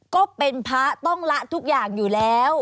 ก็เป็นพระต้องละทุกอย่างอยู่แล้ว